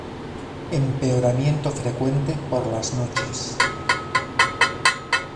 Empeoramiento frecuente por las noches.